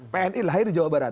pni lahir di jawa barat